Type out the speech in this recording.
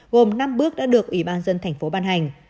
gồm năm bước đã được ủy ban dân tp hcm ban hành